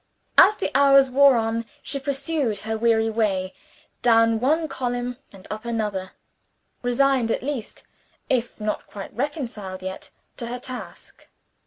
As the hours wore on, she pursued her weary way, down one column and up another, resigned at least (if not quite reconciled yet) to her task.